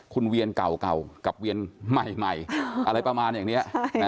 คุณเวียนเก่ากับเวียนใหม่อะไรประมาณอย่างนี้